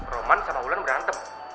rahmat sama ular berantem